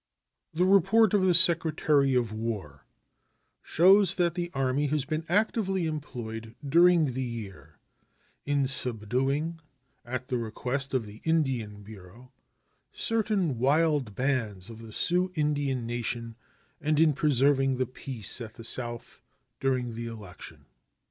The report of the Secretary of War shows that the Army has been actively employed during the year in subduing, at the request of the Indian Bureau, certain wild bands of the Sioux Indian Nation and in preserving the peace at the South during the election.